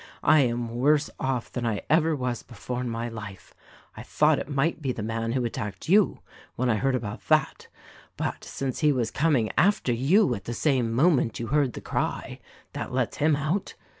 "I am worse off than I ever was before in my life. I thought it might be the man who attacked you (when I heard about that), but since he was coming after you at the same moment you heard the cry, that lets him out.